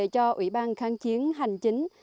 vào ủy ban kháng chiến hành chính